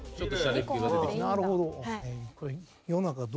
なるほど。